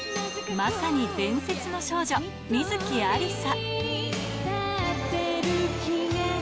まさに伝説の少女、観月ありさ。